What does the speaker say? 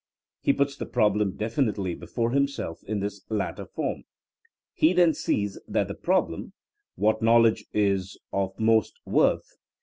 He puts the problem definitely before himself in this latter form. He then sees that the problem — ^what knowledge is of most worth?